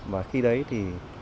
và khi đấy thì